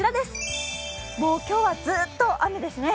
もう今日はずっと雨ですね。